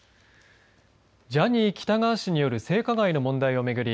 ジャニー喜多川氏による性加害の問題を巡り